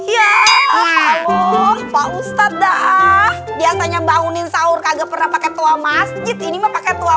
ya pak ustadz dah biasanya bangunin sahur kagak pernah pakai tua masjid ini mah pakai tua